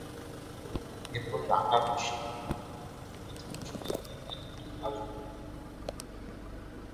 এরপর ঢাকা বিশ্ববিদ্যালয়ে অর্থনীতি বিষয়ে এমএ ডিগ্রী লাভ করেন।